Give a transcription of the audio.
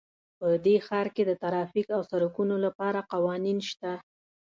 په دې ښار کې د ټرافیک او سړکونو لپاره قوانین شته